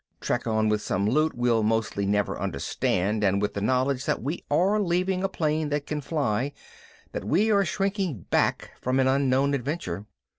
Trek on with some loot we'll mostly never understand and with the knowledge that we are leaving a plane that can fly, that we are shrinking back from an unknown adventure_.